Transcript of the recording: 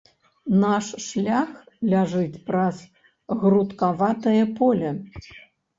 Наш шлях ляжыць праз грудкаватае поле.